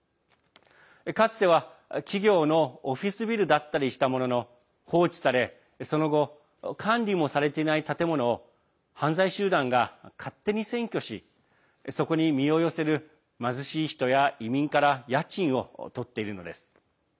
かつては企業のオフィスビルだったりしたものの放置され、その後管理もされていない建物を犯罪集団が勝手に占拠しそこに身を寄せる貧しい人や移民から家賃をとっているのです。